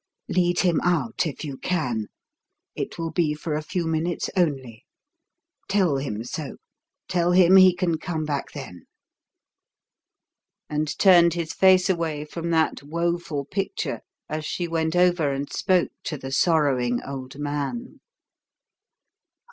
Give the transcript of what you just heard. Lead him out if you can. It will be for a few minutes only. Tell him so tell him he can come back then." And turned his face away from that woeful picture as she went over and spoke to the sorrowing old man.